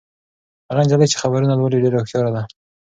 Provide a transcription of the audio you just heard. هغه نجلۍ چې خبرونه لولي ډېره هوښیاره ده.